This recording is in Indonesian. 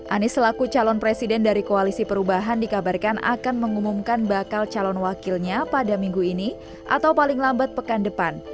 anies selaku calon presiden dari koalisi perubahan dikabarkan akan mengumumkan bakal calon wakilnya pada minggu ini atau paling lambat pekan depan